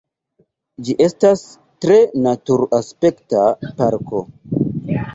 Ĝi estas tre natur-aspekta parko.